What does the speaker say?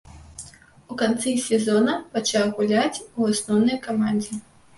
У канцы сезона пачаў гуляць і ў асноўнай камандзе.